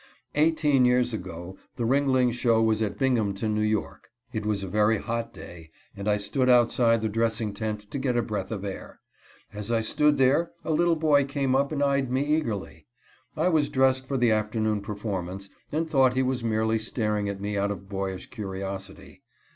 Eighteen years ago the Ringling show was at Binghamton, N. Y. It was a very hot day, and I stood outside the dressing tent to get a breath of air. As I stood there a little boy came up and eyed me eagerly. I was dressed for the afternoon performance, and thought he was merely staring at me out of boyish curiosity.